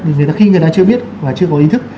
thì khi người ta chưa biết và chưa có ý thức